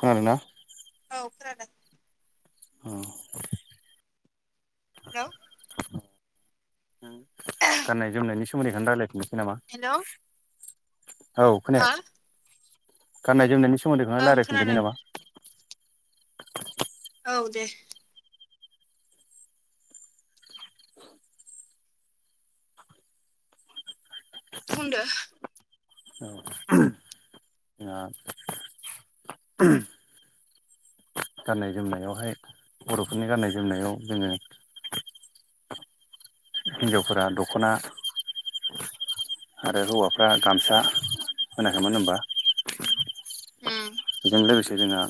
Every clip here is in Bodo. खोनादों ना औ खोनादों [unintelligible] हेल' गाननाय जोमनायनि सोमोन्दैखौनो राय्लायफिननोसै नामा हेल' औ खोन गाननाय जोमनायनि सोमोन्दैखौनो ओं रायलायफिनदोनि खोनादों नामा औ दे बुंदो [unintelligible] [unintelligible] गाननाय जोमनायावहाय बर'फोरनि गाननाय जोमनायाव जोङो हिनजावफोरा दखना आरो हौवाफ्रा गामसा होनायाखैन होमबा? उम बेजों लोगोसे जोंहा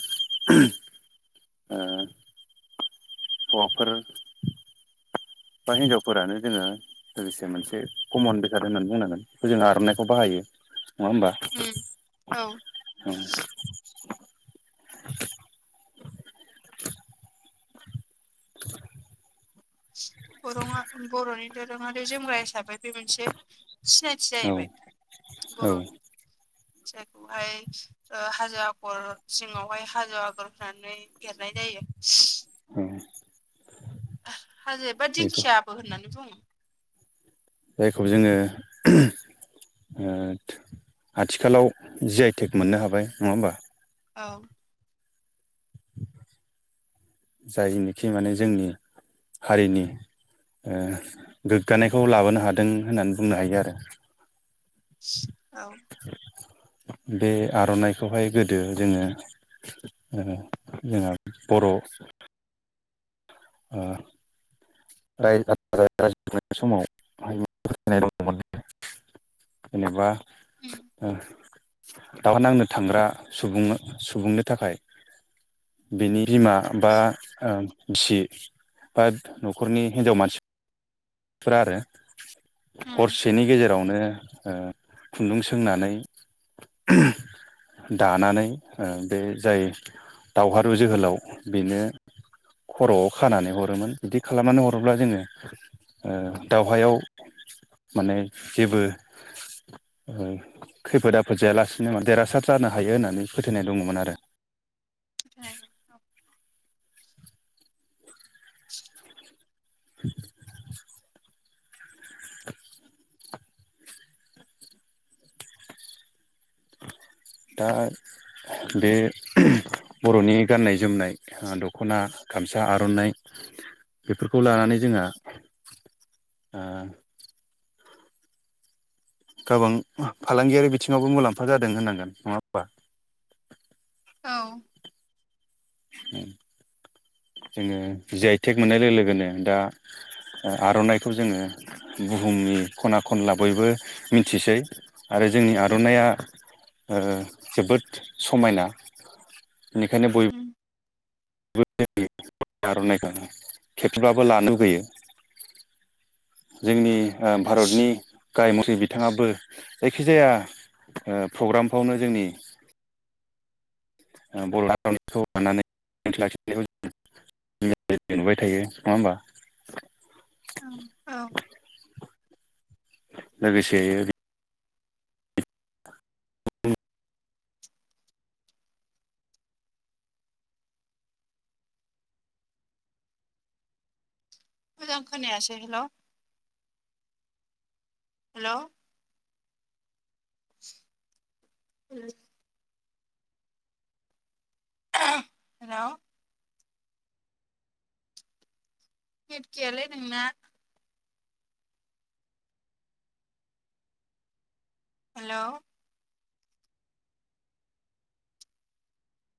अहौवाफोर बा हिनजावफोरानो जोङो लोगोसे मोनसे कमन बेखार होननानै बुंनांगोन जों आर'नाइखौ बाहायो। नङा होमबा? उम औ बर'आ बर'नि दोरोङारि जोमग्रा हिसाबै बे मोनसे सिनायथि औ जाहैबाय औ बर'नि फिथाइखौहाय ओ हाजो आगर सिङावहाय हाजो आगर होनानै एरनाय जायो। औ हाजो एबा दिंखियाबो होननानै बुङो। जायखौ जोङो [unintelligible] आथिखालाव जि आइ टेक मोननो हाबाय नङा होमबा? औ जायनोखि माने जोंनि हारिनि गोग्गानायखौ लाबोनो हादों होननानै बुंनो हायो आरो। औ बे आर'नाइखौहाय गोदो जोङो जोंहा बर' समावनाय दमोन [unintelligible] जेनेबा उम दावहा नांनो थांग्रा सुबुं सुबुंनि थाखाय बिनि बिमा बा औ ओ बिसि बा न'खरनि हिनजाव मानसिफोरा आरो उम हरसेनि गेजेरावनो ओ खुन्दुं सोंनानै [inaudible] दानानै बे जाय दावहारु जोहोलाव बेनो खर'आव खानानै हरोमोन। बिदि खालामनानै हरोब्ला जोङो ओ दावहायाव माने जेबो खैफोद आफोद जायालासिनो देरहासार जानो हायो होननानै फोथायनाय दङमोन आरो। ज [unintelligible] [inaudible] [inaudible] दा बे बर'नि गाननाय जोमनाय दखना गामसा आर'नाइ बेफोरखौ लानानै जोंहा आ गोबां फालांगियारि बिथिङावबो मुलाम्फा जादों होननांगोन नङा होमबा? औ [inaudible] जोङो जि आइ टेक मोननाय लोगो लोगोनो दा आर'नाइखौ जोङो बुहुमनि खना खनला बयबो मिथिसै आरो जोंनि आर'नाइया ओ जोबोद समायना बेनिखायनो बय उम [unintelligible] आर'नाइखौ खेबसेब्लाबो लानो लुुबैयो। जोंनि भारतनि गाय मथे बिथाङाबो जायखिजाया प्रग्रामफ्रावनो जोंनि [unintelligible] [unintelligible] नुबाय थायो नङा होमबा औ औ लोगोसे मोजां खोनायासै हेलौ हेलौ [unintelligible] हेलौ नेट गैयालै नोंना हेलौ